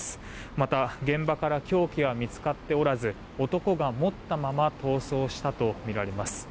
また、現場から凶器は見つかっておらず男が持ったまま逃走したとみられます。